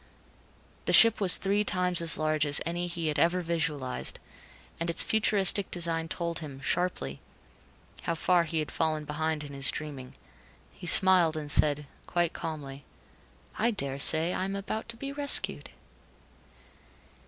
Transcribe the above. The ship was three times as large as any he had ever visualized, and its futuristic design told him, sharply, how far he had fallen behind in his dreaming. He smiled and said, quite calmly, "I daresay I am about to be rescued."